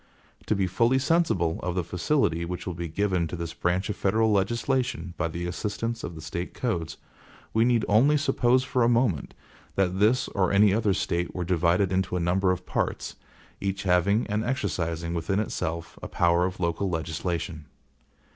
To be fully sensible of the facility which will be given to this branch of federal legislation by the assistance of the State codes, we need only suppose for a moment that this or any other State were divided into a number of parts, each having and exercising within itself a power of local legislation.